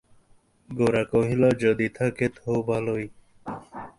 গোরা কহিল, যদি থাকে তো ভালোই।